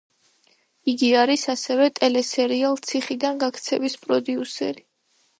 იგი არის ასევე ტელესერიალ „ციხიდან გაქცევის“ პროდიუსერი.